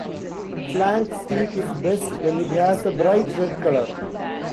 Flank steak is best when it has a bright red color.